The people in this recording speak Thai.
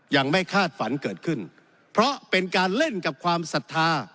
ยังไม่คาดฝันเกิดขึ้นเพราะเป็นการเล่นกับความศรัทธา